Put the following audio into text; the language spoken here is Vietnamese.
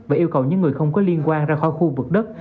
và yêu cầu những người không có liên quan ra khỏi khu vực đất